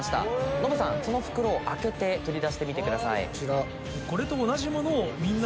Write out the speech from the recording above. ノブさんその袋を開けて取り出してみてください。